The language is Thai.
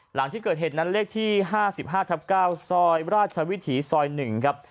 หลังที่เกิดเหตุนั้นเลขที่ห้าสิบห้าทับเก้าซอยราชวิถีซอยหนึ่งครับ